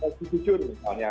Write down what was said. keku jujur misalnya